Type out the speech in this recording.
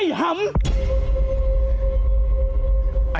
ไอ้หำ